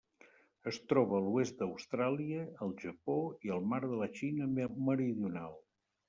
Es troba a l'oest d'Austràlia, el Japó i el mar de la Xina Meridional.